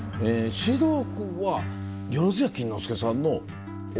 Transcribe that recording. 獅童君は萬屋錦之介さんの。